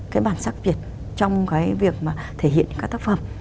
cái bản sắc việt trong cái việc mà thể hiện các tác phẩm